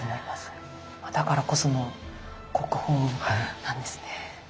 だからこその国宝なんですね。